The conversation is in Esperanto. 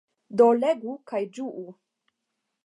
Do legu, kaj ĝuu.